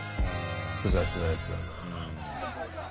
複雑なやつだな。